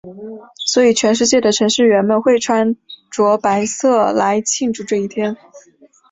所以全世界的程序员们会穿着白色来庆祝这一天。